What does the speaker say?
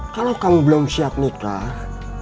kalau kamu belum siap nikah